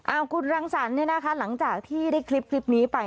อ่าวคุณรังสรรนะคะหลังจากที่ได้คลิปนี้ไป